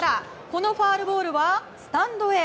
このファウルボールはスタンドへ。